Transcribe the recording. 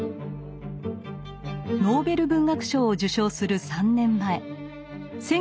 ノーベル文学賞を受賞する３年前。